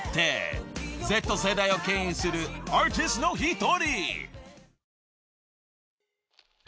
［Ｚ世代をけん引するアーティストの一人］